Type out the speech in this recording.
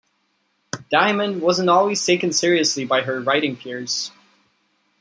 Diamond wasn't always taken seriously by her writing peers.